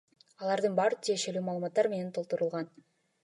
Алардын баары тиешелүү маалыматтар менен толтурулган.